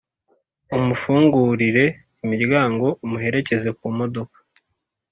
umufungurire imiryango, umuherekeze ku modoka